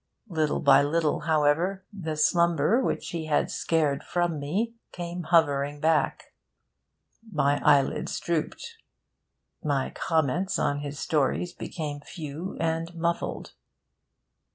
Little by little, however, the slumber which he had scared from me came hovering back. My eyelids drooped; my comments on his stories became few and muffled.